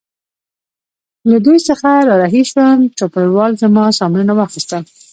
له دوی څخه را رهي شوم، چوپړوال زما سامانونه واخیستل.